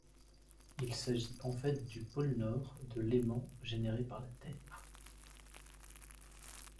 Il s'agit en fait du pôle Nord de l'aimant généré par la Terre.